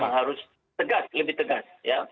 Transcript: harus tegas lebih tegas